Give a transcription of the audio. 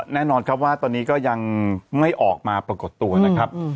แน่นอนครับว่าตอนนี้ก็ยังไม่ออกมาปรากฏตัวนะครับ